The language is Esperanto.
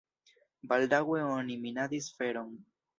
Baldaŭe oni minadis feron.